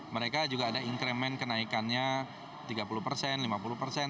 mereka juga ada ingcremen kenaikannya tiga puluh persen lima puluh persen